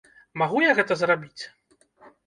Магу я гэта зрабіць?